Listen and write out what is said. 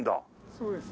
そうです。